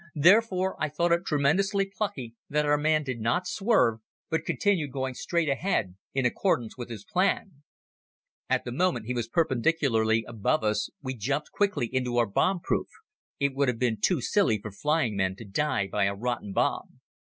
Therefore I thought it tremendously plucky that our man did not swerve, but continued going straight ahead in accordance with his plan. At the moment he was perpendicularly above us we jumped quickly into our bomb proof. It would have been too silly for flying men to die by a rotten bomb.